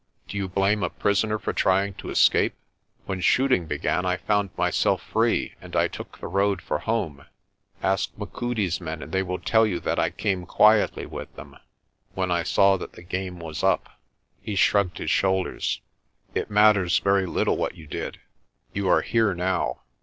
"Do you blame a prisoner for trying to escape? When shooting began I found myself free and I took the road for home. Ask Machudi's men and they will tell you that I came quietly with them, when I saw that the game was up." He shrugged his shoulders. "It matters very little what you did. You are here now.